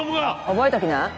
覚えときな。